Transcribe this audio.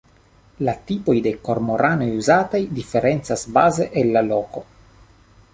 La tipoj de kormoranoj uzataj diferencas baze el la loko.